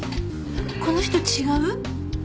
この人違う？